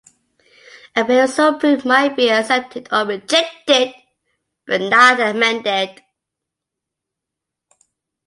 A bill so approved might be accepted or rejected, but not amended.